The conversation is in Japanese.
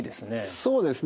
そうですね